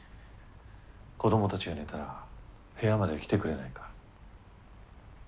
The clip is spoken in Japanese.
子どもたちが寝たら部屋まで来てくれないか。